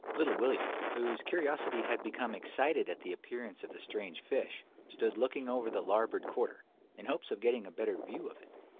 Little William, whose curiosity had become excited at the appearance of the strange fish, stood looking over the larboard quarter, in hopes of getting a better view of it.